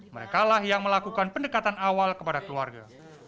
mereka lah yang melakukan pendekatan awal kepada keluarga